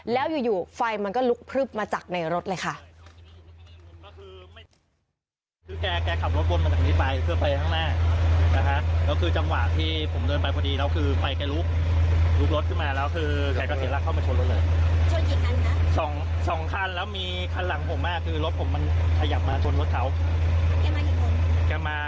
แล้วอยู่ไฟมันก็ลุกพลึบมาจากในรถเลยค่ะ